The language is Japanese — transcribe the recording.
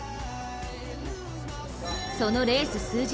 そのレース数日